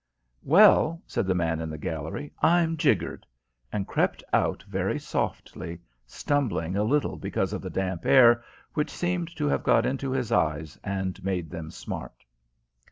"Well," said the man in the gallery, "I'm jiggered!" and crept out very softly, stumbling a little because of the damp air which seemed to have got into his eyes and made them smart.